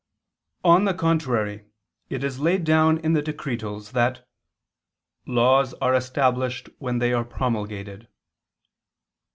On the contrary, It is laid down in the Decretals, dist. 4, that "laws are established when they are promulgated."